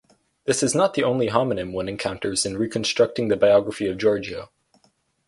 This is not the only homonym one encounters in reconstructing the biography of Giorgio.